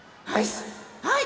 はい。